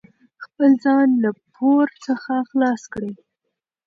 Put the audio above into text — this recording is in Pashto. خپل ځان له پور څخه خلاص کړئ.